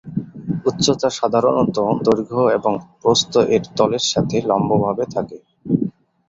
উচ্চতা সাধারণত দৈর্ঘ্য এবং প্রস্থ -এর তলের সাথে লম্বভাবে থাকে।